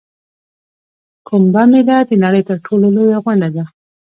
کومبه میله د نړۍ تر ټولو لویه غونډه ده.